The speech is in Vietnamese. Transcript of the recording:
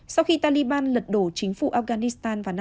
sau khi taliban lật đổ chính phủ afghanistan vào năm hai nghìn hai mươi một